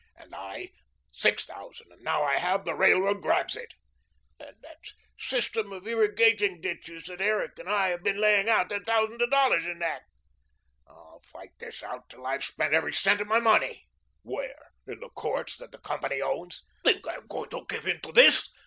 "And I six thousand, and now that I have, the Railroad grabs it." "And the system of irrigating ditches that Derrick and I have been laying out. There's thousands of dollars in that!" "I'll fight this out till I've spent every cent of my money." "Where? In the courts that the company owns?" "Think I am going to give in to this?